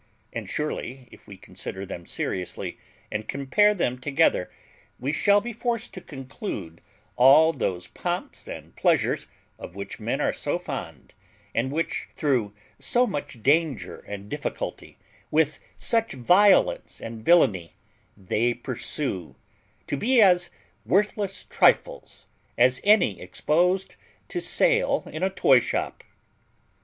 And surely, if we consider them seriously, and compare them together, we shall be forced to conclude all those pomps and pleasures of which men are so fond, and which, through so much danger and difficulty, with such violence and villany, they pursue, to be as worthless trifles as any exposed to sale in a toy shop.